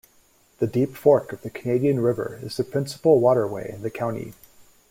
The Deep Fork of the Canadian River is the principal waterway in the county.